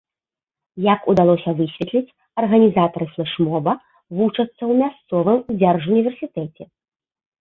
Як удалося высветліць, арганізатары флэш-моба вучацца ў мясцовым дзяржуніверсітэце.